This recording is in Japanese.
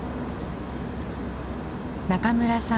中村さん